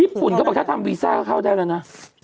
ญี่ปุ่นที่เขาทำเบีซามันก็เข้าได้แหละนะ